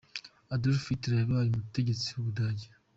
Adolf Hitler yabaye umutegetsi w’ubudage.